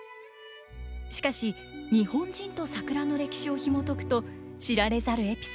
しかし日本人と桜の歴史をひもとくと知られざるエピソードが満載。